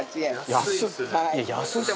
安いですね。